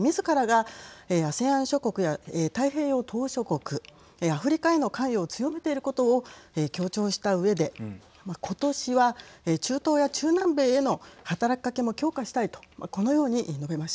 みずからがＡＳＥＡＮ諸国や太平洋島しょ国アフリカへの関与を強めていることを強調したうえで今年は中東や中南米への働きかけも強化したいとこのように述べました。